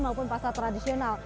maupun pasar tradisional